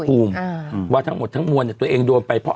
ขอบคุณนะครับขอบคุณนะครับขอบคุณนะครับ